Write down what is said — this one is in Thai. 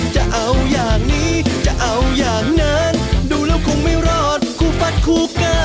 จะเอาอย่างนี้จะเอาอย่างนั้นดูแล้วคงไม่รอดคู่ฟัดคู่เกอร์